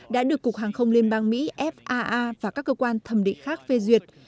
đã được cục hàng không liên bang mỹ faa và các cơ quan thẩm định khác phê duyệt